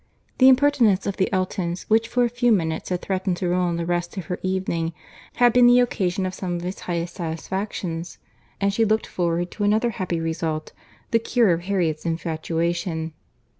The impertinence of the Eltons, which for a few minutes had threatened to ruin the rest of her evening, had been the occasion of some of its highest satisfactions; and she looked forward to another happy result—the cure of Harriet's infatuation.